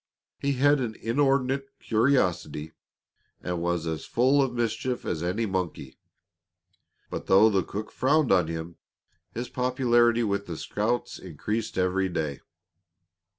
He had an inordinate curiosity and was as full of mischief as any monkey. But though the cook frowned on him, his popularity with the scouts increased with every day.